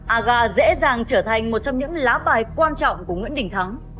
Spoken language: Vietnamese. aga dễ dàng trở thành một trong những lá bài quan trọng của nguyễn đình thắng